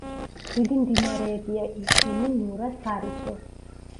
დიდი მდინარეებია: იშიმი, ნურა, სარისუ.